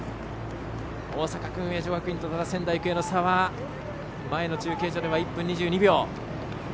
大阪薫英女学院と仙台育英の差は前の中継所では１分２２秒。